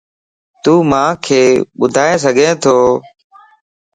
تون مانک ٻڌائي سڳي تو